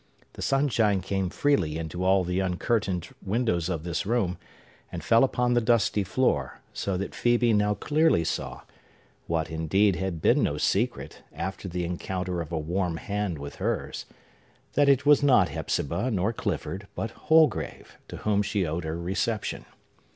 The sunshine came freely into all the uncurtained windows of this room, and fell upon the dusty floor; so that Phœbe now clearly saw—what, indeed, had been no secret, after the encounter of a warm hand with hers—that it was not Hepzibah nor Clifford, but Holgrave, to whom she owed her reception.